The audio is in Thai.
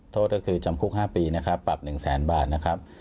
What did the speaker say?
โทษก็คือจำคุก๕ปีนะครับปรับ๑แสนบาทนะครับ